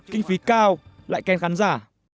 kinh phí cao lại khen khán giả